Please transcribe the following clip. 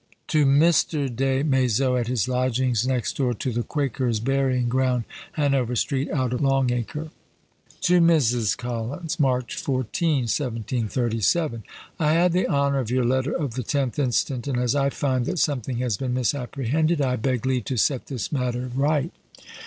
To Mr. Des Maizeaux, at his lodgings next door to the Quakers' burying ground, Hanover street, out of Long Acre. TO MRS. COLLINS. March 14, 1737. I had the honour of your letter of the 10th inst., and as I find that something has been misapprehended, I beg leave to set this matter right.